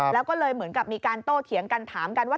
แล้วก็เลยเหมือนกับมีการโต้เถียงกันถามกันว่า